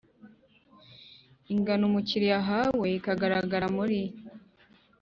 ingano umukiriya ahawe ikagaragara muri